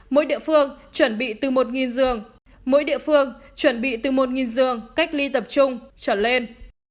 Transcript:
mỗi địa phương chuẩn bị từ một giường mỗi địa phương chuẩn bị từ một giường cách ly tập trung trở lên